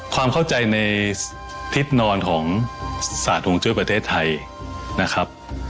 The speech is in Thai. ความเข้าใจในทิศนอนของศาสตร์ฮงจุ้ยประเทศไทยนะครับ